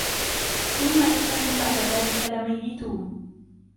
ثم إنكم بعد ذلك لميتون